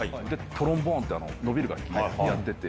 トロンボーンって伸びる楽器やってて。